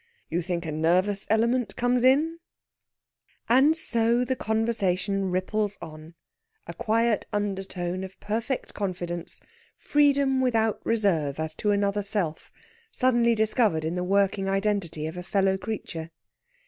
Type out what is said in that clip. "You think a nervous element comes in?..." And so the conversation ripples on, a quiet undertone of perfect confidence, freedom without reserve as to another self, suddenly discovered in the working identity of a fellow creature.